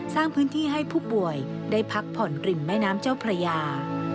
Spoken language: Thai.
สร้างพื้นที่ให้ผู้ป่วยได้พักผ่อนกริมแม่น้ำเจ้าพระยา